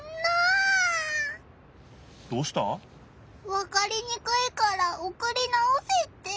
わかりにくいからおくり直せって。